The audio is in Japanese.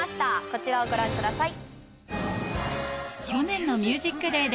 こちらをご覧ください。